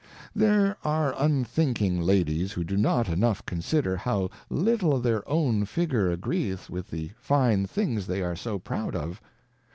There are unthinking Ladies, who do not enough consider, how little their own Figure agreeth with the fine things they are so proud of.